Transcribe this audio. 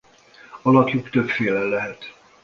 Alakjuk többféle lehet.